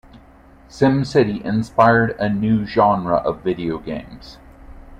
"SimCity" inspired a new genre of video games.